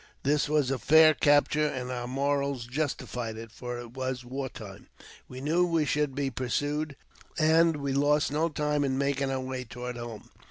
This was a fair capture, and our morals justified it, for it was war time. We knew we should be pursued, and we lost no time in making our way toward home.